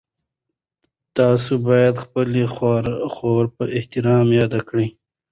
تاسو باید خپله خور په احترام یاده کړئ.